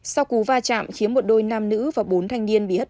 sau cú va chạm khiến một đôi nam nữ và bốn thanh niên bị hất